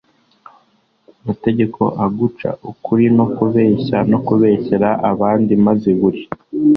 amategeko, ugaca ukubiri no kubeshya no kubeshyera abandi maze buri